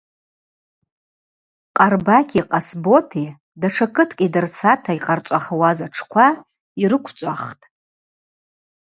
Къарбакьи Къасботи датша кыткӏ йдырцата йхъарчӏвахуаз атшква йрыквчӏвахтӏ.